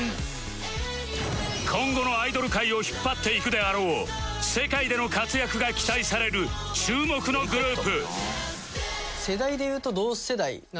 今後のアイドル界を引っ張っていくであろう世界での活躍が期待される注目のグループ